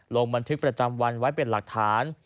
จะจำวันไว้เป็นหลักฐาน